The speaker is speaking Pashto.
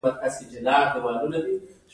د استراحت لپاره هم باید وخت ولرو.